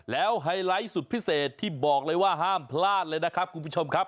แล้วไฮไลท์สุดพิเศษที่บอกเลยว่าห้ามพลาดเลยนะครับคุณผู้ชมครับ